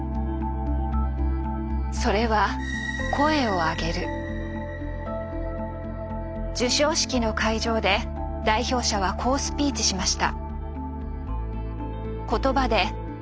それは受賞式の会場で代表者はこうスピーチしました。